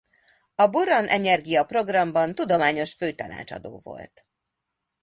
A Buran-Enyergija programban tudományos főtanácsadó volt.